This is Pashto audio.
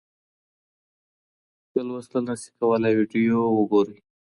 که لوستل نسئ کولای ویډیو وګورئ.